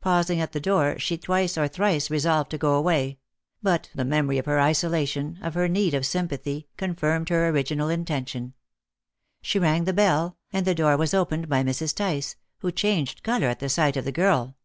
Pausing at the door, she twice or thrice resolved to go away; but the memory of her isolation, of her need of sympathy, confirmed her original intention. She rang the bell, and the door was opened by Mrs. Tice, who changed colour at the sight of the girl.